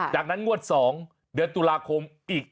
จากนั้นกวดสองเดือนตุลาคมอีก๑๐๐๐๐๐บาท